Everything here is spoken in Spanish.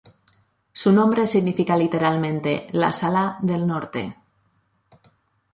Su nombre significa literalmente "la sala del Norte".